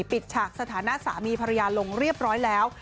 ฉากสถานะสามีภรรยาลงเรียบร้อยแล้ว